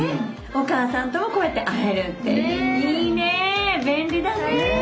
おかあさんともこうやって会えるっていいね便利だね。